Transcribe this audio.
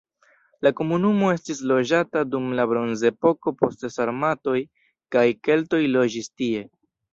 La komunumo estis loĝata dum la bronzepoko, poste sarmatoj kaj keltoj loĝis tie.